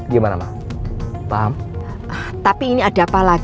dan bumi alot